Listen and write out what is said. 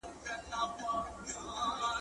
د آزادي نړۍ دغه کرامت دی ,